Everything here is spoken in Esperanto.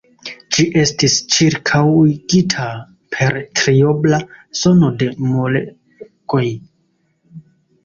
Ĝi estis ĉirkaŭigita per triobla zono de muregoj.